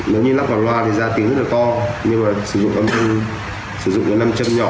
nếu như lắp vào loa thì ra tiếng rất là to nhưng mà sử dụng âm thanh sử dụng cái năm chân nhỏ